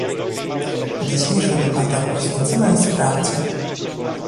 Dzisiejsza debata poświęcona jest prawdzie